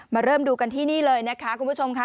เริ่มดูกันที่นี่เลยนะคะคุณผู้ชมค่ะ